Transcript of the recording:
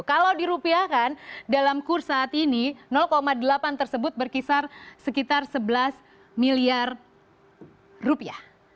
kalau dirupiahkan dalam kurs saat ini delapan tersebut berkisar sekitar sebelas miliar rupiah